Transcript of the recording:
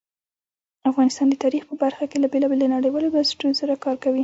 افغانستان د تاریخ په برخه کې له بېلابېلو نړیوالو بنسټونو سره کار کوي.